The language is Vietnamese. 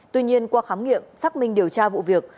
tuy nhiên qua khám nghiệm xác minh điều tra vụ việc